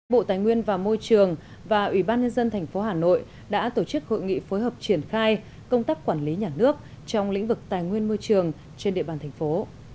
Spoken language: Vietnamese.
bộ tài nguyên và môi trường và ủy ban nhân dân tp hà nội đã tổ chức hội nghị phối hợp triển khai công tác quản lý nhà nước trong lĩnh vực tài nguyên môi trường trên địa bàn thành phố